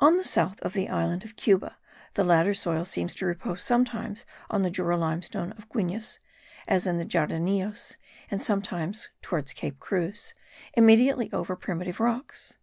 On the south of the island of Cuba, the latter soil seems to repose sometimes on the Jura limestone of Guines, as in the Jardinillos, and sometimes (towards Cape Cruz) immediately over primitive rocks.